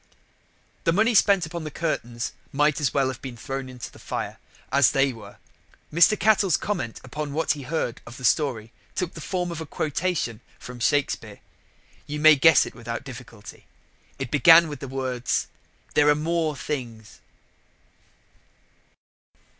The money spent upon the curtains might as well have been thrown into the fire, as they were. Mr. Cattell's comment upon what he heard of the story took the form of a quotation from Shakespeare. You may guess it without difficulty. It began with the words "There are more things."